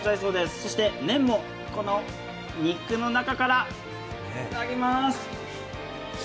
そして麺もこの肉の中から、いただきます。